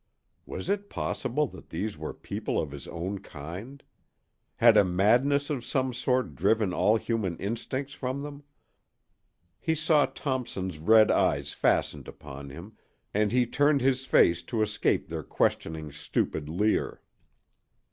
Was it possible that these were people of his own kind? Had a madness of some sort driven all human instincts from them? He saw Thompson's red eyes fastened upon him, and he turned his face to escape their questioning, stupid leer.